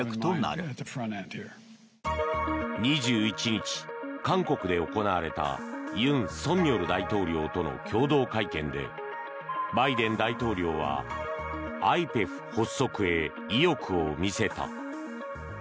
２１日、韓国で行われた尹錫悦大統領との共同会見でバイデン大統領はＩＰＥＦ発足へ意欲を見せた。